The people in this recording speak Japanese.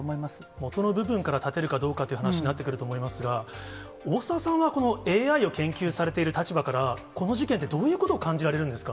もとの部分が絶てるかどうかという話になってくると思いますが、大澤さんは、このＡＩを研究されている立場から、この事件って、どういうことを感じられるんですか。